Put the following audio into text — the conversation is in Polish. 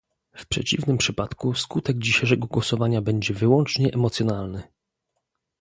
W przeciwnym przypadku skutek dzisiejszego głosowania będzie wyłącznie emocjonalny